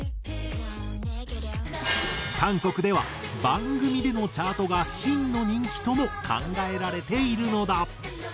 韓国では番組でのチャートが真の人気とも考えられているのだ。